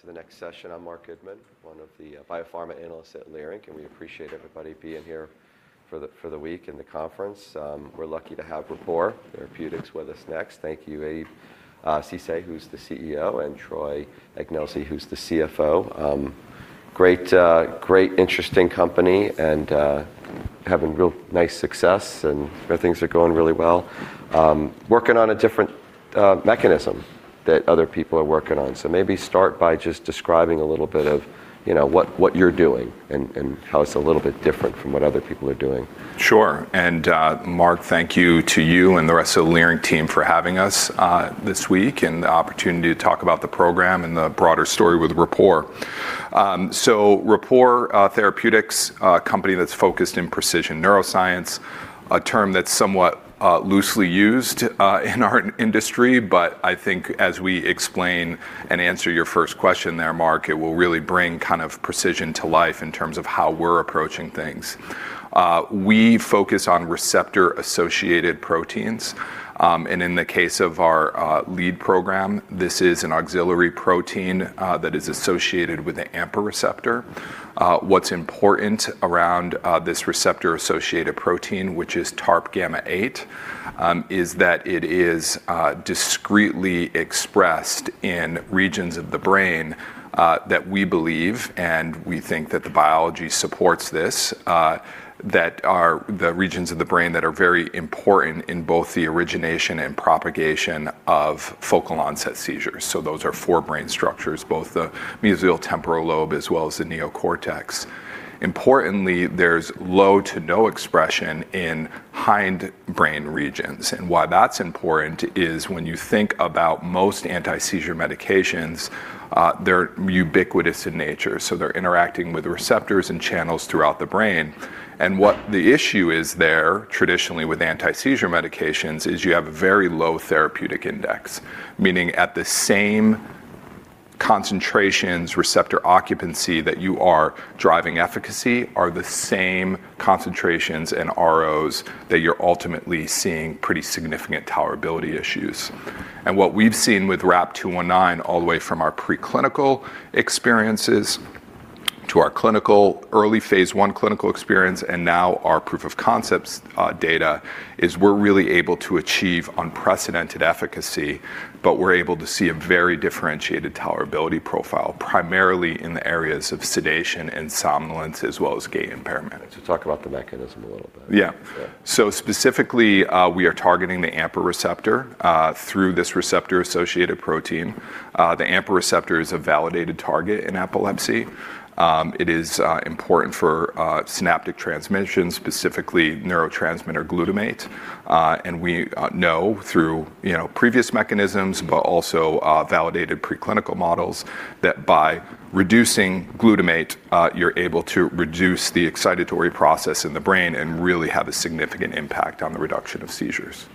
To the next session. I'm Marc Goodman, one of the biopharma analysts at Leerink, and we appreciate everybody being here for the week in the conference. We're lucky to have Rapport Therapeutics with us next. Thank you, Abraham Ceesay, who's the CEO, and Troy Ignelzi, who's the CFO. Great interesting company and having real nice success and here things are going really well. Working on a different mechanism than other people are working on. Maybe start by just describing a little bit of, you know, what you're doing and how it's a little bit different from what other people are doing. Sure. Marc, thank you to you and the rest of the Leerink team for having us, this week, and the opportunity to talk about the program and the broader story with Rapport. Rapport Therapeutics, a company that's focused in precision neuroscience, a term that's somewhat, loosely used, in our industry. I think as we explain and answer your 1st question there, Marc, it will really bring kind of precision to life in terms of how we're approaching things. We focus on receptor-associated proteins. In the case of our lead program, this is an auxiliary protein that is associated with a AMPA receptor. What's important around this receptor-associated protein, which is TARP gamma 8, is that it is discretely expressed in regions of the brain that we believe, and we think that the biology supports this, that are the regions of the brain that are very important in both the origination and propagation of focal-onset seizures. Those are 4 brain structures, both the mesial temporal lobe as well as the neocortex. Importantly, there's low to no expression in hindbrain regions. Why that's important is when you think about most anti-seizure medications, they're ubiquitous in nature, so they're interacting with receptors and channels throughout the brain. What the issue is there, traditionally with anti-seizure medications, is you have a very low therapeutic index, meaning at the same concentrations, receptor occupancy that you are driving efficacy are the same concentrations and ROs that you're ultimately seeing pretty significant tolerability issues. What we've seen with RAP-219 all the way from our preclinical experiences to our clinical, early phase I clinical experience, and now our proof of concepts data, is we're really able to achieve unprecedented efficacy, but we're able to see a very differentiated tolerability profile, primarily in the areas of sedation and somnolence, as well as gait impairment. Talk about the mechanism a little bit. Yeah. Yeah. Specifically, we are targeting the AMPA receptor through this receptor-associated protein. The AMPA receptor is a validated target in epilepsy. It is important for synaptic transmission, specifically neurotransmitter glutamate. We know through you know previous mechanisms, but also validated preclinical models, that by reducing glutamate, you're able to reduce the excitatory process in the brain and really have a significant impact on the reduction of seizures.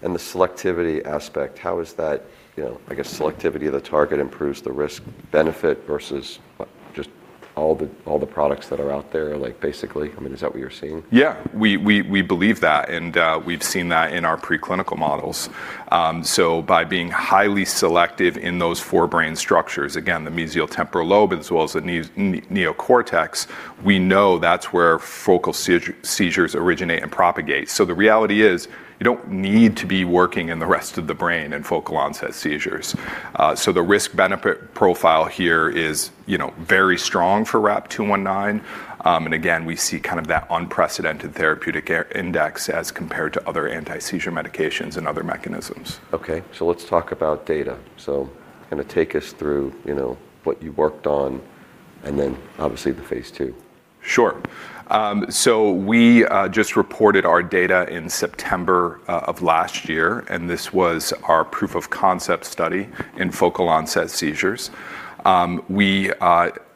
The selectivity aspect, how is that? You know, I guess selectivity of the target improves the risk-benefit versus just all the products that are out there, like basically. I mean, is that what you're seeing? Yeah. We believe that, and we've seen that in our preclinical models. By being highly selective in those 4 brain structures, again, the mesial temporal lobe as well as the neocortex, we know that's where focal seizures originate and propagate. The reality is, you don't need to be working in the rest of the brain in focal-onset seizures. The risk-benefit profile here is, you know, very strong for RAP-219. Again, we see kind of that unprecedented therapeutic index as compared to other anti-seizure medications and other mechanisms. Okay. Let's talk about data. Kinda take us through, you know, what you worked on, and then obviously the phase II. Sure. We just reported our data in September of last year, and this was our proof of concept study in focal-onset seizures. We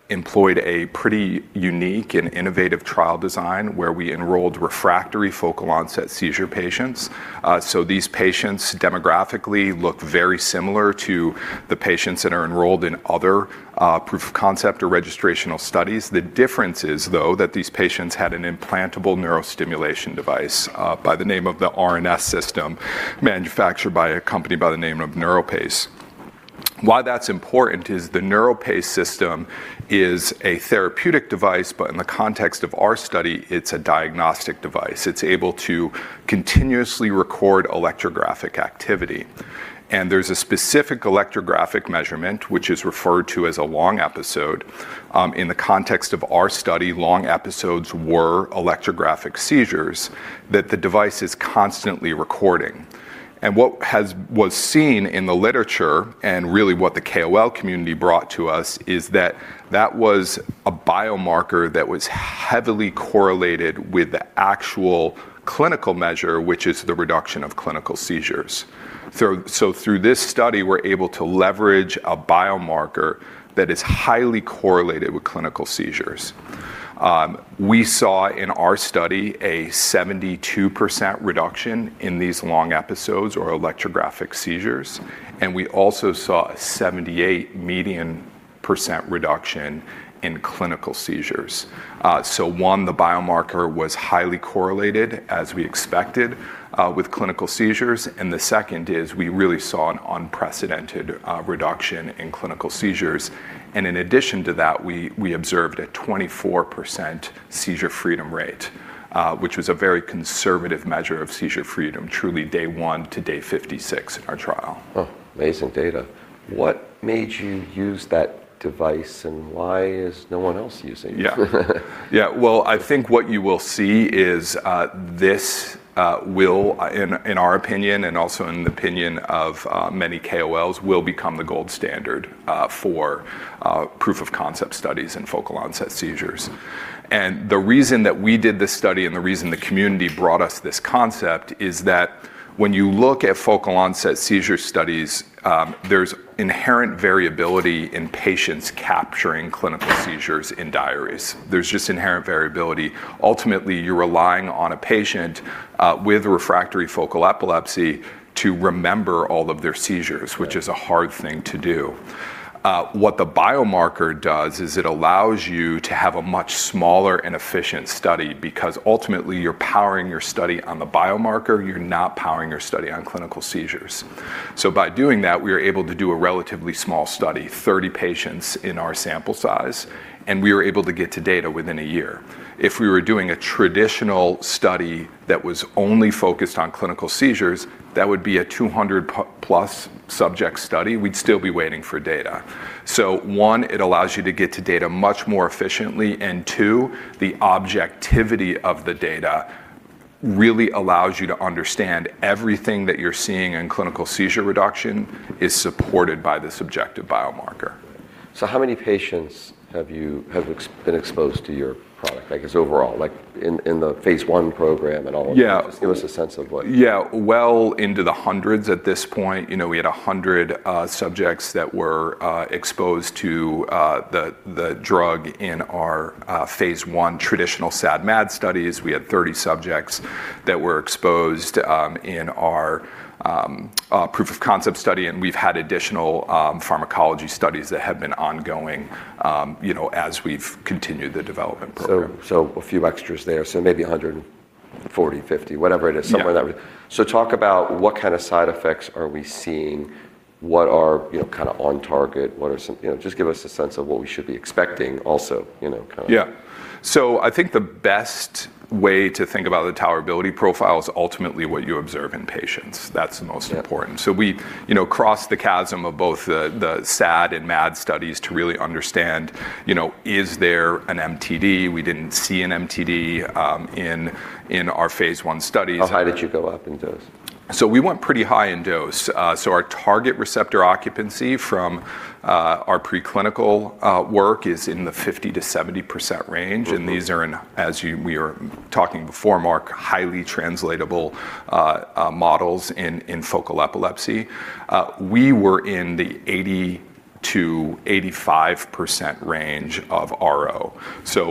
employed a pretty unique and innovative trial design where we enrolled refractory focal-onset seizure patients. These patients demographically look very similar to the patients that are enrolled in other proof of concept or registrational studies. The difference is, though, that these patients had an implantable neurostimulation device by the name of the RNS System, manufactured by a company by the name of NeuroPace. Why that's important is the NeuroPace system is a therapeutic device, but in the context of our study, it's a diagnostic device. It's able to continuously record electrographic activity. There's a specific electrographic measurement, which is referred to as a long episode. In the context of our study, long episodes were electrographic seizures that the device is constantly recording. What was seen in the literature, and really what the KOL community brought to us, is that that was a biomarker that was heavily correlated with the actual clinical measure, which is the reduction of clinical seizures. Through this study, we're able to leverage a biomarker that is highly correlated with clinical seizures. We saw in our study a 72% reduction in these long episodes or electrographic seizures, and we also saw a 78% median reduction in clinical seizures. 1, the biomarker was highly correlated as we expected, with clinical seizures. The 2nd is we really saw an unprecedented reduction in clinical seizures. In addition to that, we observed a 24% seizure freedom rate, which was a very conservative measure of seizure freedom, truly day 1 to day 56 in our trial. Oh, amazing data. What made you use that device, and why is no one else using it? Well, I think what you will see is this will in our opinion and also in the opinion of many KOLs become the gold standard for proof of concept studies in focal onset seizures. The reason that we did this study and the reason the community brought us this concept is that when you look at focal onset seizure studies, there's inherent variability in patients capturing clinical seizures in diaries. There's just inherent variability. Ultimately, you're relying on a patient with refractory focal epilepsy to remember all of their seizures. Right Which is a hard thing to do. What the biomarker does is it allows you to have a much smaller and efficient study because ultimately, you're powering your study on the biomarker, you're not powering your study on clinical seizures. By doing that, we are able to do a relatively small study, 30 patients in our sample size, and we were able to get to data within a year. If we were doing a traditional study that was only focused on clinical seizures, that would be a 200+ subject study. We'd still be waiting for data. 1, it allows you to get to data much more efficiently, and 2, the objectivity of the data really allows you to understand everything that you're seeing in clinical seizure reduction is supported by the objective biomarker. How many patients have been exposed to your product, I guess overall, like in the phase I program and all of that? Yeah. Just give us a sense of like. Yeah. Well into the hundreds at this point. You know, we had 100 subjects that were exposed to the drug in our phase I traditional SAD/MAD studies. We had 30 subjects that were exposed in our proof of concept study, and we've had additional pharmacology studies that have been ongoing, you know, as we've continued the development program. A few extras there. Maybe 140 to 150, whatever it is. Yeah. Talk about what kind of side effects are we seeing, what are, you know, kind of on target, what are some. You know, just give us a sense of what we should be expecting also, you know, kind of. Yeah. I think the best way to think about the tolerability profile is ultimately what you observe in patients. That's the most important. Yeah. We, you know, crossed the chasm of both the SAD and MAD studies to really understand, you know, is there an MTD? We didn't see an MTD in our phase I studies. How high did you go up in dose? We went pretty high in dose. Our target receptor occupancy from our preclinical work is in the 50% to 70% range. Mm-hmm. These are in, we were talking before, Marc, highly translatable models in focal epilepsy. We were in the 80% to 85% range of RO.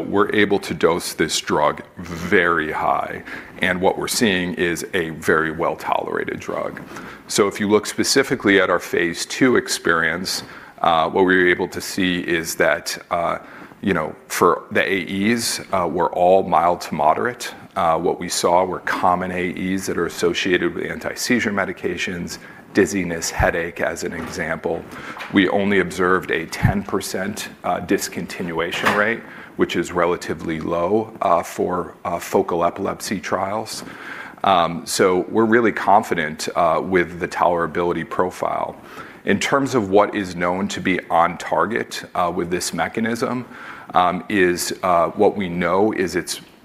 We're able to dose this drug very high, and what we're seeing is a very well-tolerated drug. If you look specifically at our phase II experience, what we were able to see is that, you know, for the AEs were all mild to moderate. What we saw were common AEs that are associated with anti-seizure medications, dizziness, headache, as an example. We only observed a 10% discontinuation rate, which is relatively low for focal epilepsy trials. We're really confident with the tolerability profile. In terms of what is known to be on target with this mechanism,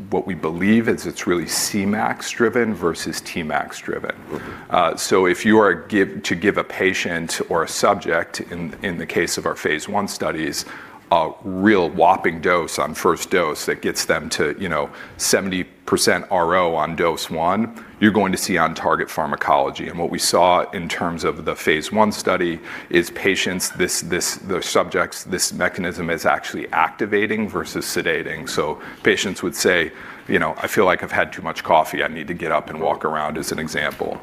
what we believe is it's really Cmax driven versus tmax driven. Mm-hmm. If you are to give a patient or a subject, in the case of our phase I studies, a real whopping dose on 1st dose that gets them to, you know, 70% RO on dose 1, you're going to see on target pharmacology. What we saw in terms of the phase I study is the subjects, this mechanism is actually activating versus sedating. Mm-hmm. Patients would say, you know, "I feel like I've had too much coffee. I need to get up and walk around," as an example.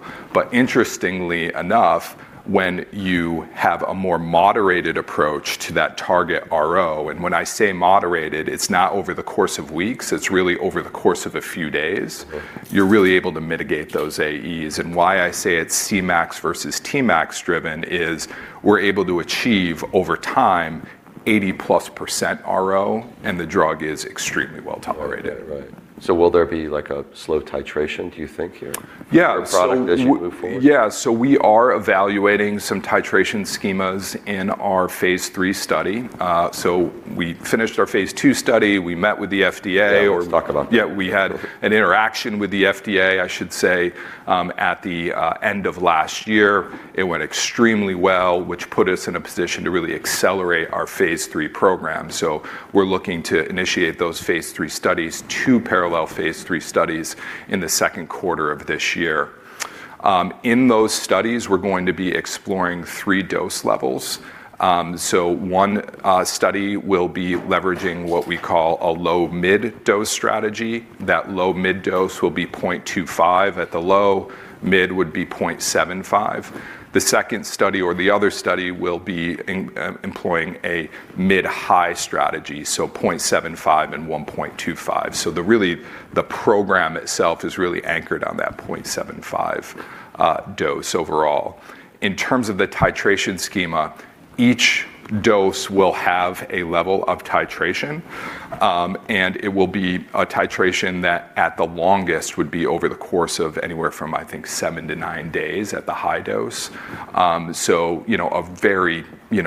Interestingly enough, when you have a more moderated approach to that target RO, and when I say moderated, it's not over the course of weeks, it's really over the course of a few days. Mm-hmm You're really able to mitigate those AEs. Why I say it's Cmax versus tmax driven is we're able to achieve over time 80+% RO, and the drug is extremely well-tolerated. Okay. Right. Will there be like a slow titration, do you think, here? Yeah. for your product as you move forward? We are evaluating some titration schemas in our phase III study. We finished our phase II study. We met with the FDA. Yeah, let's talk about that. Yeah, we had- Okay an interaction with the FDA, I should say, at the end of last year. It went extremely well, which put us in a position to really accelerate our phase III program. We're looking to initiate those phase III studies, 2 parallel phase III studies in the Q2 of this year. In those studies we're going to be exploring 3 dose levels. 1 study will be leveraging what we call a low mid dose strategy. That low mid dose will be 0.25 at the low, mid would be 0.75. The 2nd study or the other study will be employing a mid high strategy, so 0.75 and 1.25. Really, the program itself is really anchored on that 0.75 dose overall. In terms of the titration schema, each dose will have a level of titration, and it will be a titration that at the longest would be over the course of anywhere from, I think, 7 to 9 days at the high dose. You know, a very, you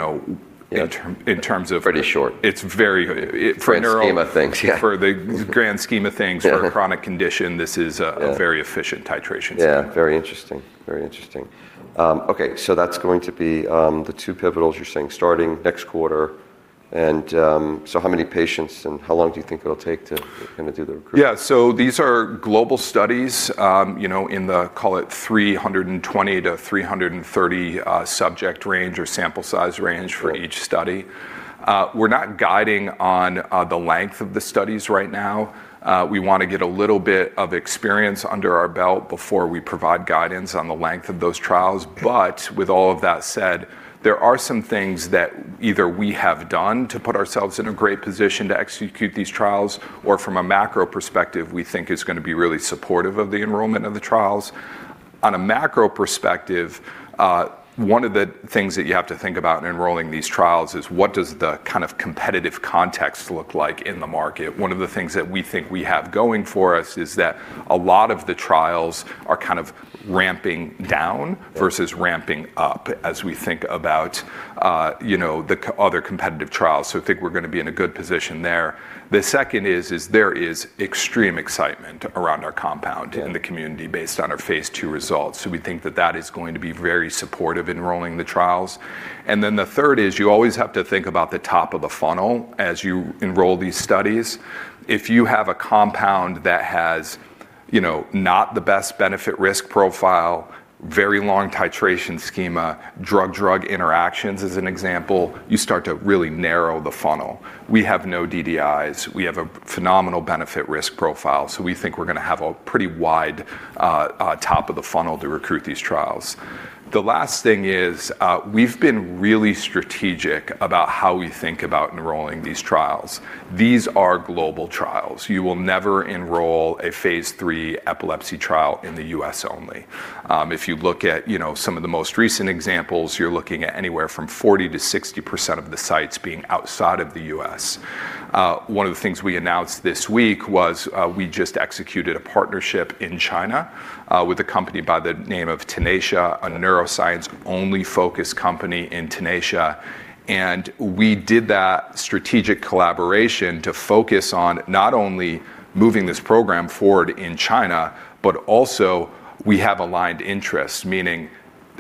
know, in terms of- Pretty short. It's very for neural. Grand scheme of things. Yeah. For the grand scheme of things. Yeah for a chronic condition, this is a. Yeah a very efficient titration scheme. Yeah. Very interesting. Okay, that's going to be the 2 pivotal, you're saying, starting next quarter. How many patients and how long do you think it'll take to kind of do the recruitment? These are global studies, you know, in the, call it 320 to 330 subject range or sample size range for each study. Right. We're not guiding on the length of the studies right now. We wanna get a little bit of experience under our belt before we provide guidance on the length of those trials. With all of that said, there are some things that either we have done to put ourselves in a great position to execute these trials, or from a macro perspective, we think is gonna be really supportive of the enrollment of the trials. On a macro perspective, one of the things that you have to think about in enrolling these trials is, what does the kind of competitive context look like in the market? One of the things that we think we have going for us is that a lot of the trials are kind of ramping down- Yeah versus ramping up as we think about, you know, the other competitive trials. I think we're gonna be in a good position there. The 2nd is there is extreme excitement around our compound- Yeah In the community based on our phase II results. We think that that is going to be very supportive enrolling the trials. The 3rd is you always have to think about the top of the funnel as you enroll these studies. If you have a compound that has, you know, not the best benefit risk profile, very long titration schema, drug-drug interactions as an example, you start to really narrow the funnel. We have no DDIs. We have a phenomenal benefit risk profile. We think we're gonna have a pretty wide top of the funnel to recruit these trials. The last thing is, we've been really strategic about how we think about enrolling these trials. These are global trials. You will never enroll a phase III epilepsy trial in the U.S. only. If you look at, you know, some of the most recent examples, you're looking at anywhere from 40% to 60% of the sites being outside of the US. One of the things we announced this week was, we just executed a partnership in China, with a company by the name of Tenacia, a neuroscience only focused company in Tenacia. We did that strategic collaboration to focus on not only moving this program forward in China, but also we have aligned interests. Meaning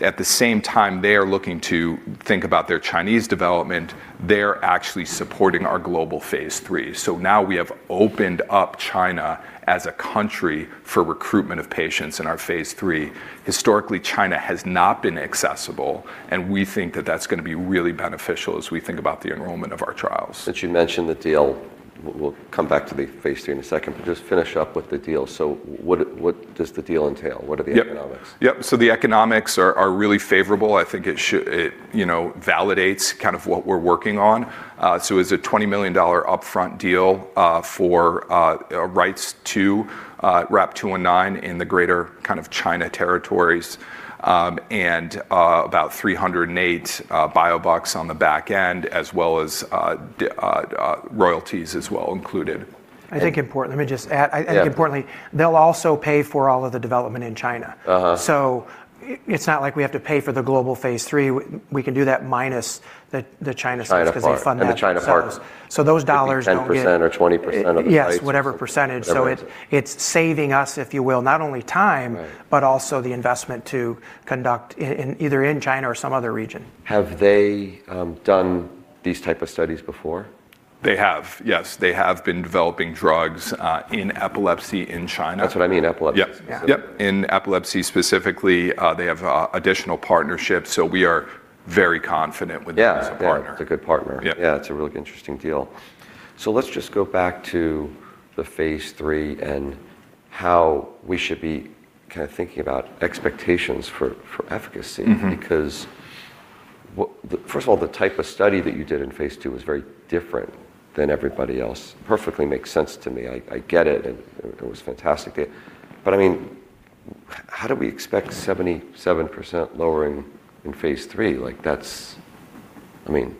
at the same time they are looking to think about their Chinese development, they're actually supporting our global phase III. Now we have opened up China as a country for recruitment of patients in our phase III. Historically, China has not been accessible, and we think that that's gonna be really beneficial as we think about the enrollment of our trials. Since you mentioned the deal, we'll come back to the phase III in a second, but just finish up with the deal. What does the deal entail? What are the economics? Yep. The economics are really favorable. I think it, you know, validates kind of what we're working on. It's a $20 million upfront deal for rights to RAP219 in the Greater China territories. About $308 million biobucks on the back end as well as royalties included. Let me just add, I think importantly. Yeah They'll also pay for all of the development in China. Uh-huh. It's not like we have to pay for the global phase III. We can do that minus the China stuff. China part 'Cause they fund that themselves. The China part. Those dollars don't get. I think 10% or 20% of the Yes. Whatever percentage. Whatever. It's saving us, if you will, not only time. Right the investment to conduct either in China or some other region. Have they done these type of studies before? They have, yes. They have been developing drugs in epilepsy in China. That's what I mean, epilepsy. Yeah. Yeah. Yep. In epilepsy specifically. They have additional partnerships, so we are very confident with them. Yeah. as a partner. It's a good partner. Yeah. Yeah, it's a really interesting deal. Let's just go back to the phase III and how we should be kind of thinking about expectations for efficacy. Mm-hmm. First of all, the type of study that you did in phase II was very different than everybody else. Perfectly makes sense to me. I get it, and it was fantastic. I mean, how do we expect 77% lowering in phase III? Like, that's. I mean.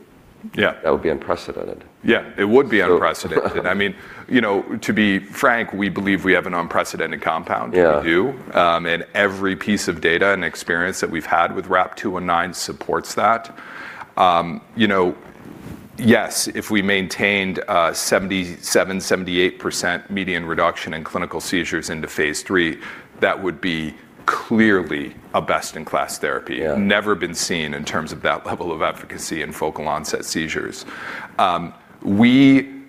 Yeah That would be unprecedented. Yeah, it would be unprecedented. I mean, you know, to be frank, we believe we have an unprecedented compound. Yeah. We do. Every piece of data and experience that we've had with RAP-219 supports that. You know, yes, if we maintained 77% to 78% median reduction in clinical seizures into phase III, that would be clearly a best in class therapy. Yeah. Never been seen in terms of that level of efficacy in focal-onset seizures. We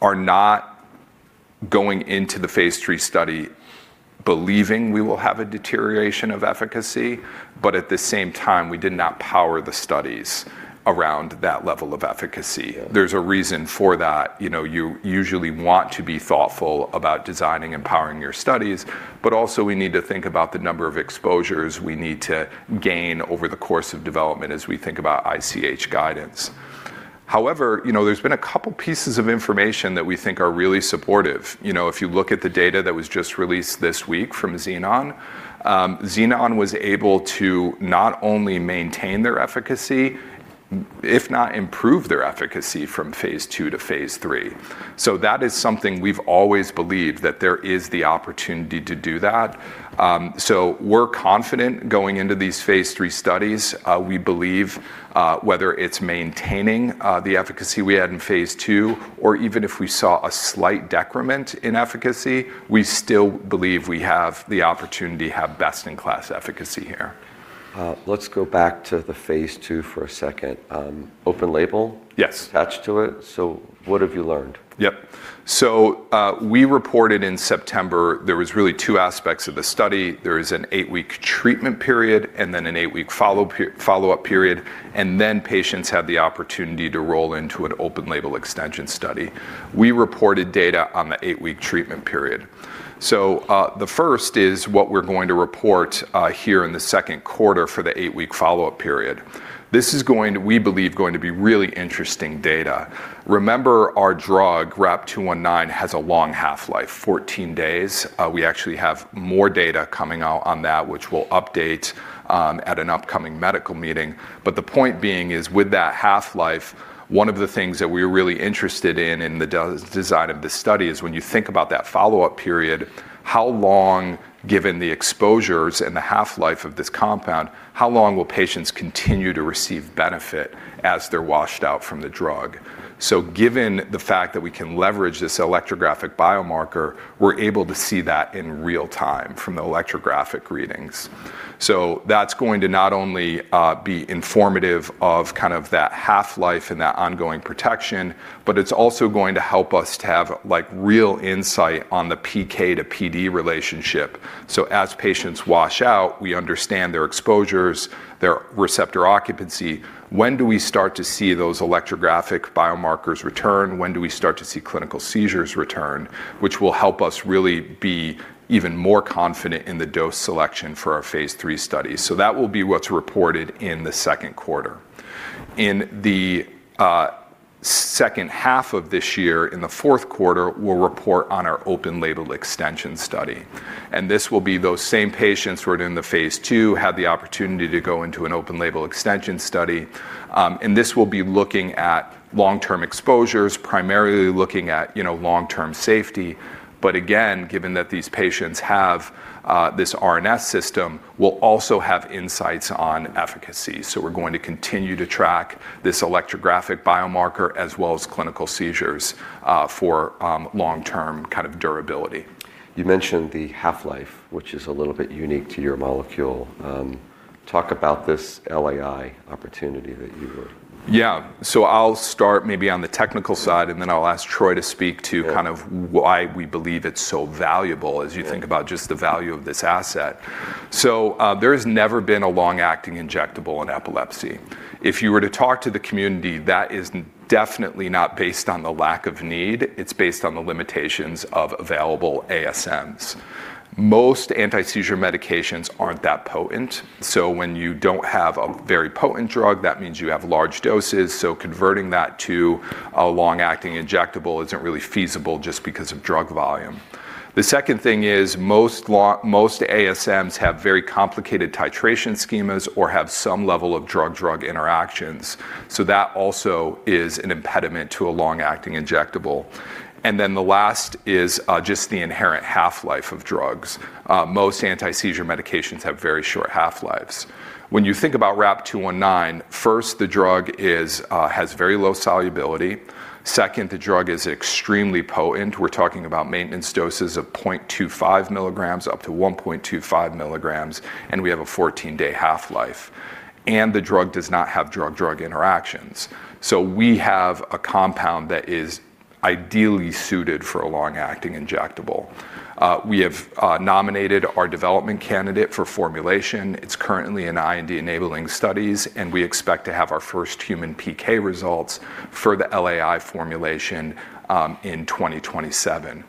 are not going into the phase III study believing we will have a deterioration of efficacy but at the same time, we did not power the studies around that level of efficacy. Yeah. There's a reason for that. You know, you usually want to be thoughtful about designing and powering your studies, but also we need to think about the number of exposures we need to gain over the course of development as we think about ICH guidance. However, you know, there's been a couple pieces of information that we think are really supportive. You know, if you look at the data that was just released this week from Xenon was able to not only maintain their efficacy, if not improve their efficacy from phase II to phase III. That is something we've always believed that there is the opportunity to do that. We're confident going into these phase III studies. We believe, whether it's maintaining the efficacy we had in phase II, or even if we saw a slight decrement in efficacy, we still believe we have the opportunity to have best-in-class efficacy here. Let's go back to the phase II for a second. Open label- Yes attached to it. What have you learned? Yep. We reported in September there was really 2 aspects of the study. There is an 8-week treatment period and then an 8-week follow-up period, and then patients have the opportunity to roll into an open label extension study. We reported data on the 8-week treatment period. The first is what we're going to report here in the Q2 for the 8-week follow-up period. We believe this is going to be really interesting data. Remember, our drug, RAP-219, has a long half-life, 14 days. We actually have more data coming out on that, which we'll update at an upcoming medical meeting. The point being is, with that half-life, one of the things that we're really interested in in the redesign of this study is when you think about that follow-up period, how long, given the exposures and the half-life of this compound, how long will patients continue to receive benefit as they're washed out from the drug? Given the fact that we can leverage this electrographic biomarker, we're able to see that in real time from the electrographic readings. That's going to not only be informative of kind of that half-life and that ongoing protection, but it's also going to help us to have, like, real insight on the PK to PD relationship. As patients wash out, we understand their exposures, their receptor occupancy. When do we start to see those electrographic biomarkers return? When do we start to see clinical seizures return? Which will help us really be even more confident in the dose selection for our phase III study. That will be what's reported in the Q2. In the H2 of this year, in the Q4, we'll report on our open label extension study. This will be those same patients who are in the phase II, have the opportunity to go into an open label extension study. This will be looking at long-term exposures, primarily looking at, you know, long-term safety. Again, given that these patients have this RNS System, we'll also have insights on efficacy. We're going to continue to track this electrographic biomarker as well as clinical seizures for long-term kind of durability. You mentioned the half-life, which is a little bit unique to your molecule. Talk about this LAI opportunity that you were Yeah. I'll start maybe on the technical side, and then I'll ask Troy to speak to- Yeah kind of why we believe it's so valuable. Yeah As you think about just the value of this asset. There has never been a long-acting injectable in epilepsy. If you were to talk to the community, that is definitely not based on the lack of need. It's based on the limitations of available ASMs. Most anti-seizure medications aren't that potent. When you don't have a very potent drug, that means you have large doses. Converting that to a long-acting injectable isn't really feasible just because of drug volume. The 2nd thing is most ASMs have very complicated titration schemas or have some level of drug-drug interactions. That also is an impediment to a long-acting injectable. The last is just the inherent half-life of drugs. Most anti-seizure medications have very short half-lives. When you think about RAP-219, 1st, the drug has very low solubility. 2nd, the drug is extremely potent. We're talking about maintenance doses of 0.25 milligrams up to 1.25 milligrams, and we have a 14-day half-life. The drug does not have drug-drug interactions. We have a compound that is ideally suited for a long-acting injectable. We have nominated our development candidate for formulation. It's currently in IND-enabling studies, and we expect to have our first human PK results for the LAI formulation in 2027.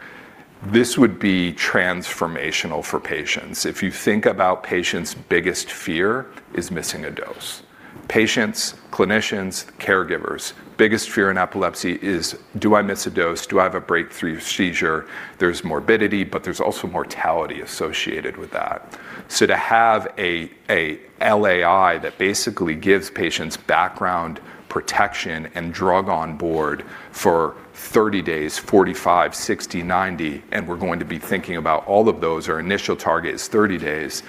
This would be transformational for patients. If you think about patients' biggest fear is missing a dose. Patients, clinicians, caregivers. Biggest fear in epilepsy is do I miss a dose? Do I have a breakthrough seizure? There's morbidity, but there's also mortality associated with that. To have a LAI that basically gives patients background protection and drug on board for 30 days, 45, 60, 90, and we're going to be thinking about all of those, our initial target is 30 days,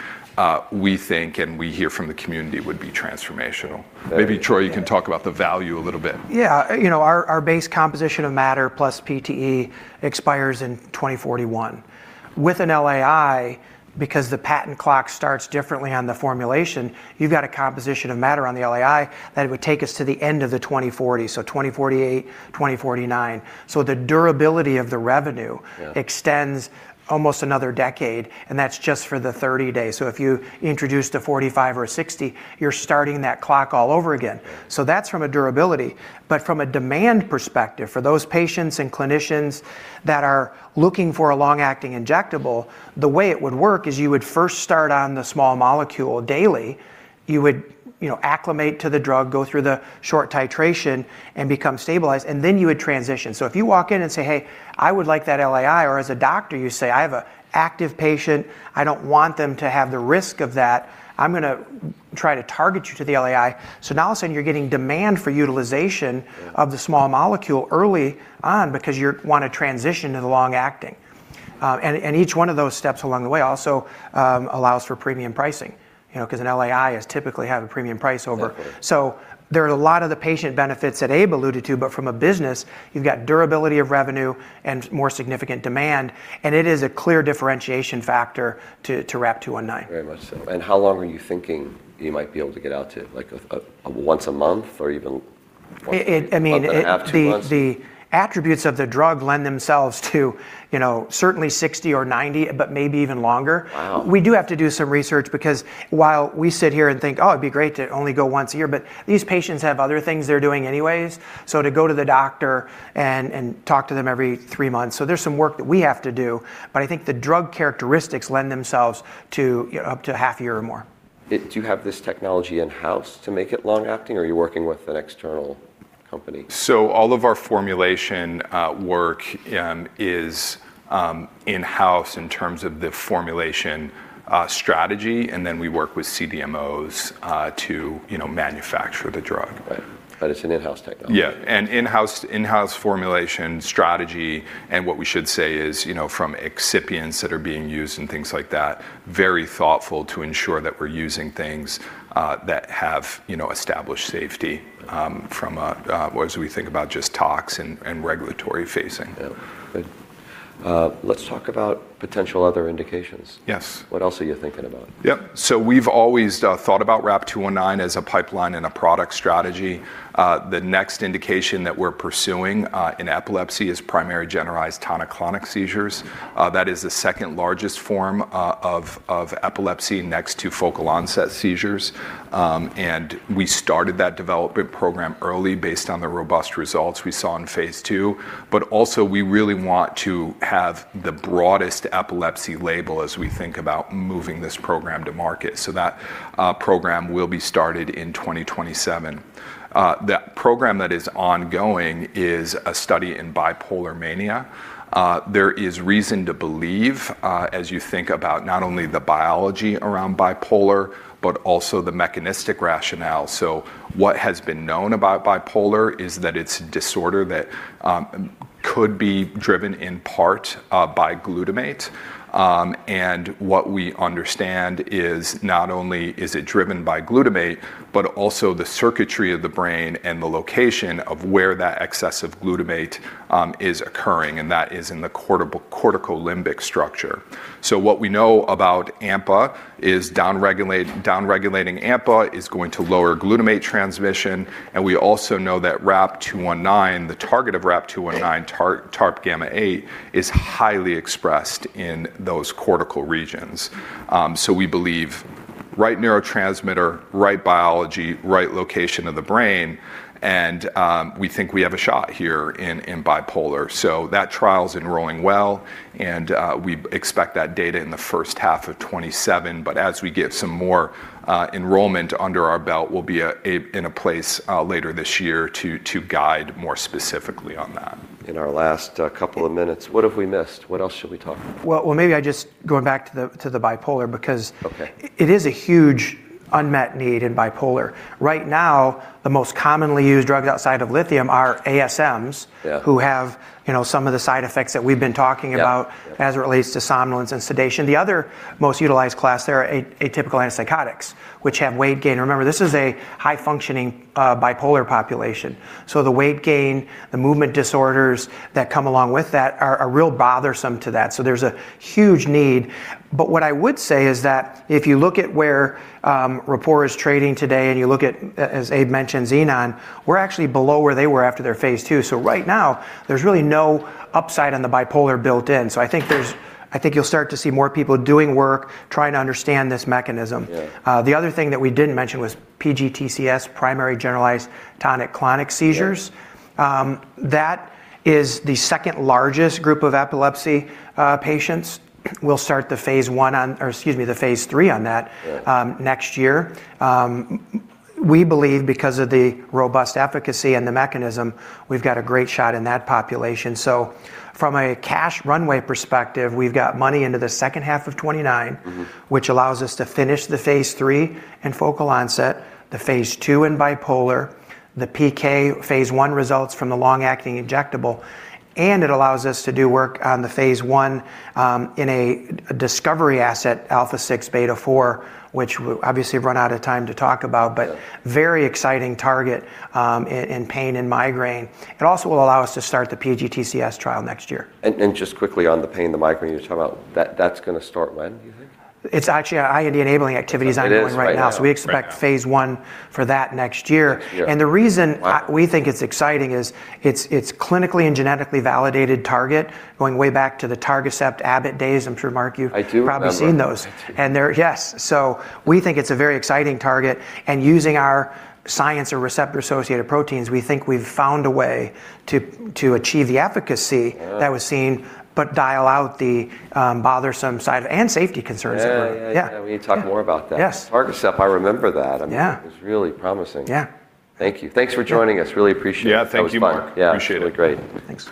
we think and we hear from the community would be transformational. Very- Maybe, Troy, you can talk about the value a little bit. Yeah. You know, our base composition of matter plus PTE expires in 2041. With an LAI, because the patent clock starts differently on the formulation, you've got a composition of matter on the LAI that it would take us to the end of the 2040, so 2048, 2049. The durability of the revenue- Yeah extends almost another decade, and that's just for the 30 days. If you extend to 45 or 60, you're starting that clock all over again. Yeah. That's from a durability. From a demand perspective, for those patients and clinicians that are looking for a long-acting injectable, the way it would work is you would first start on the small molecule daily. You would, you know, acclimate to the drug, go through the short titration and become stabilized, and then you would transition. If you walk in and say, "Hey, I would like that LAI," or as a doctor you say, "I have an active patient, I don't want them to have the risk of that, I'm gonna try to target you to the LAI." Now all of a sudden you're getting demand for utilization- Yeah of the small molecule early on because you wanna transition to the long-acting. Each one of those steps along the way also allows for premium pricing. You know, 'cause an LAI is typically have a premium price over- Exactly. There are a lot of the patient benefits that Abe alluded to, but from a business, you've got durability of revenue and more significant demand, and it is a clear differentiation factor to RAP-219. Very much so. How long are you thinking you might be able to get out to? Like once a month or even. I mean. once every other 2 months? The attributes of the drug lend themselves to, you know, certainly 60 or 90, but maybe even longer. Wow. We do have to do some research because while we sit here and think, "Oh, it'd be great to only go once a year," but these patients have other things they're doing anyways, so to go to the doctor and talk to them every 3 months. There's some work that we have to do. I think the drug characteristics lend themselves to up to a half year or more. Do you have this technology in-house to make it long-acting, or are you working with an external company? All of our formulation work is in-house in terms of the formulation strategy, and then we work with CDMOs to, you know, manufacture the drug. Right. It's an in-house technology. In-house formulation strategy, and what we should say is, you know, from excipients that are being used and things like that, very thoughtful to ensure that we're using things that have, you know, established safety, as we think about just tox and regulatory phasing. Yeah. Good. Let's talk about potential other indications. Yes. What else are you thinking about? Yep. We've always thought about RAP219 as a pipeline and a product strategy. The next indication that we're pursuing in epilepsy is primary generalized tonic-clonic seizures. That is the 2nd largest form of epilepsy next to focal-onset seizures. We started that development program early based on the robust results we saw in phase II. We really want to have the broadest epilepsy label as we think about moving this program to market. That program will be started in 2027. The program that is ongoing is a study in bipolar mania. There is reason to believe as you think about not only the biology around bipolar, but also the mechanistic rationale. What has been known about bipolar is that it's a disorder that could be driven in part by glutamate. What we understand is not only is it driven by glutamate, but also the circuitry of the brain and the location of where that excessive glutamate is occurring, and that is in the corticolimbic structure. What we know about AMPA is downregulating AMPA is going to lower glutamate transmission, and we also know that RAP219, the target of RAP219, TARP γ8, is highly expressed in those cortical regions. We believe right neurotransmitter, right biology, right location of the brain, and we think we have a shot here in bipolar. That trial's enrolling well, and we expect that data in the H1 of 2027. As we get some more enrollment under our belt, we'll be in a place later this year to guide more specifically on that. In our last couple of minutes, what have we missed? What else should we talk about? Going back to the bipolar because. Okay It is a huge unmet need in bipolar. Right now, the most commonly used drugs outside of lithium are ASMs. Yeah who have, you know, some of the side effects that we've been talking about, Yeah as it relates to somnolence and sedation. The other most utilized class, they're atypical antipsychotics, which have weight gain. Remember, this is a high functioning bipolar population, so the weight gain, the movement disorders that come along with that are a real bothersome to that. There's a huge need. What I would say is that if you look at where Rapport is trading today and you look at, as Abe mentioned, Xenon, we're actually below where they were after their phase II. Right now, there's really no upside on the bipolar built in. I think you'll start to see more people doing work, trying to understand this mechanism. Yeah. The other thing that we didn't mention was PGTCs, primary generalized tonic-clonic seizures. Yeah. That is the 2nd largest group of epilepsy patients. We'll start the phase III on that. Good Next year. We believe because of the robust efficacy and the mechanism, we've got a great shot in that population. From a cash runway perspective, we've got money into the H2 of 2029. Mm-hmm. Which allows us to finish the phase III and focal-onset, the phase II and bipolar, the PK phase I results from the long-acting injectable, and it allows us to do work on the phase I in a discovery asset, alpha, which obviously we've run out of time to talk about. Yeah. Very exciting target in pain and migraine. It also will allow us to start the PGTCs trial next year. Just quickly on the pain, the migraine you were talking about, that's gonna start when do you think? It's actually I am enabling activities. It is right now. on one right now, so we expect. Right now. phase I for that next year. Yeah. And the reason- Wow We think it's exciting, it's clinically and genetically validated target going way back to the Targacept Abbott days. I'm sure, Marc, you've I do remember. Probably seen those. They're. Yes. We think it's a very exciting target, and using our science of receptor-associated proteins, we think we've found a way to achieve the efficacy- Yeah that was seen, but dial out the bothersome side and safety concerns as well. Yeah, yeah. Yeah. We need to talk more about that. Yes. Targacept, I remember that. I mean. Yeah It was really promising. Yeah. Thank you. Thanks for joining us. Really appreciate it. Yeah. Thank you, Marc. That was fun. Yeah. Appreciate it. Great. Thanks.